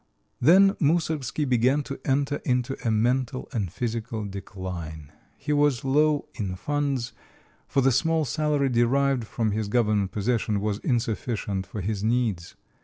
Then Moussorgsky began to enter into a mental and physical decline. He was low in funds, for the small salary derived from his government position was insufficient for his needs.